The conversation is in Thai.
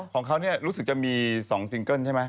ของเขาเนี่ยรู้สึกจะมี๒ซิงเกิ้ลใช่ใช่ไหม